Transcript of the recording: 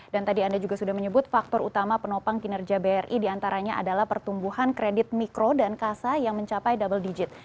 dan tadi anda juga sudah menyebut faktor utama penopang kinerja bri diantaranya adalah pertumbuhan kredit mikro dan kasa yang mencapai double digit